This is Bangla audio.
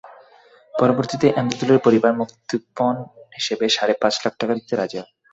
পরবর্তীতে এমদাদুলের পরিবার মুক্তিপণ হিসেবে সাড়ে পাঁচ লাখ টাকা দিতে রাজি হয়।